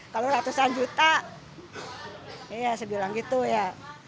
kalau ratusan juta iya saya bilang gitu ya